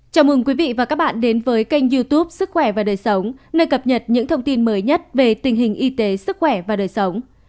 chào mừng quý vị và các bạn đến với kênh youtube sức khỏe và đời sống nơi cập nhật những thông tin mới nhất về tình hình y tế sức khỏe và đời sống